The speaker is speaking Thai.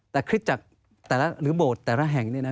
แต่คริสตจักรหรือโบสถ์แต่ละแห่งนี่นะ